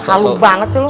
halus banget sih lu